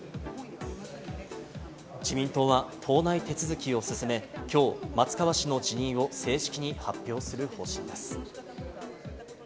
自民党は党内手続きを進め、きょう松川氏の辞任を正式に発表する方針です。